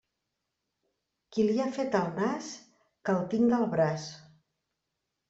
Qui li ha fet el nas, que el tinga al braç.